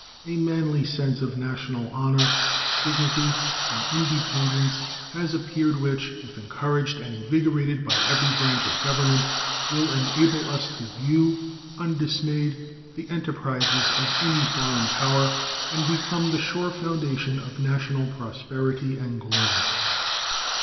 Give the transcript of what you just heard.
A manly sense of national honor, dignity, and independence has appeared which, if encouraged and invigorated by every branch of the Government, will enable us to view undismayed the enterprises of any foreign power and become the sure foundation of national prosperity and glory.